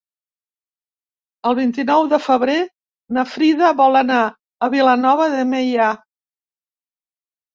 El vint-i-nou de febrer na Frida vol anar a Vilanova de Meià.